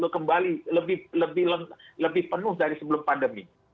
kembali lebih penuh dari sebelum pandemi